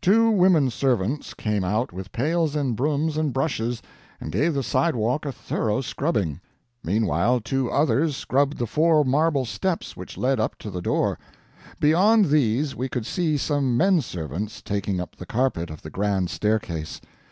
Two women servants came out with pails and brooms and brushes, and gave the sidewalk a thorough scrubbing; meanwhile two others scrubbed the four marble steps which led up to the door; beyond these we could see some men servants taking up the carpet of the grand staircase.